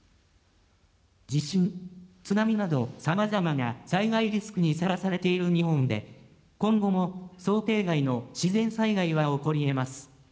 地震、津波など、さまざまな災害リスクにさらされている日本で、今後も想定外の自然災害は起こりえます。